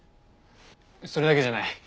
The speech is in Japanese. それだけじゃない。